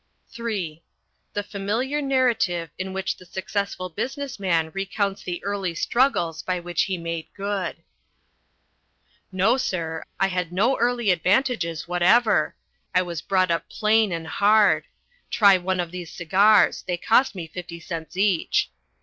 (III) The familiar narrative in which the Successful Business Man recounts the early struggles by which he made good. ...No, sir, I had no early advantages whatever. I was brought up plain and hard try one of these cigars; they cost me fifty cents each.